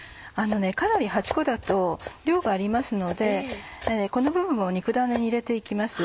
かなり８個だと量がありますのでこの部分を肉ダネに入れて行きます。